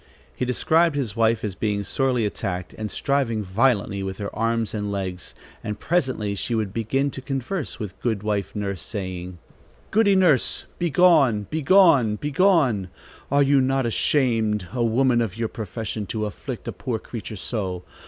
He described his wife as being sorely attacked and striving violently with her arms and legs, and presently she would begin to converse with Good wife Nurse, saying: "Goody Nurse, begone! begone! begone! Are you not ashamed, a woman of your profession, to afflict a poor creature so?